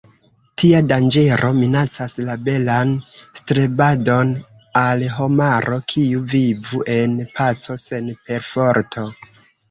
Tia danĝero minacas la belan strebadon al homaro, kiu vivu en paco sen perforto.